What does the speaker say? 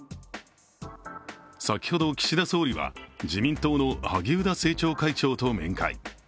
先ほど岸田総理は自民党の萩生田政調会長と面会。